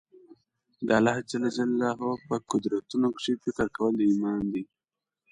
د الله جل جلاله په قدرتونو کښي فکر کول ایمان دئ.